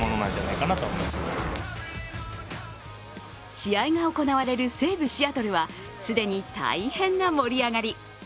試合が行われる西部シアトルは既に大変な盛り上がり。